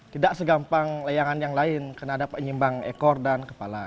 tidak segampang leyangan yang lain karena dapat menyeimbang ekor dan kepala